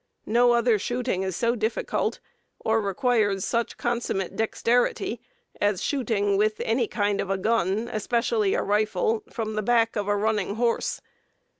No other shooting is so difficult, or requires such consummate dexterity as shooting with any kind of a gun, especially a rifle, from the back of a running horse.